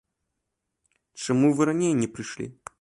Чаму вы раней не прыйшлі?